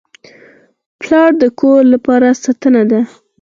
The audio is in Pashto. پلار د کور لپاره ستنه ده.